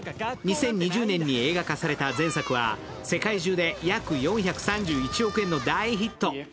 ２０２０年に映画化された前作は、世界中で約４３１億円の大ヒット。